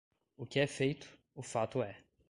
O que é feito, o fato é.